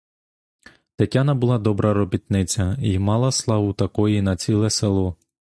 Тетяна була добра робітниця й мала славу такої на ціле село.